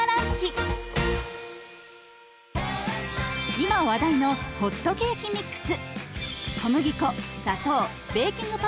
今話題のホットケーキミックス。